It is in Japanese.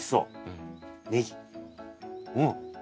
うん。